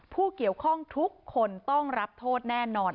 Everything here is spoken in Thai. ผู้เกี่ยวข้องทุกคนต้องรับโทษแน่นอน